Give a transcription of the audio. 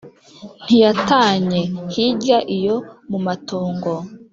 ntiyatannye hirya iyo mu matongo.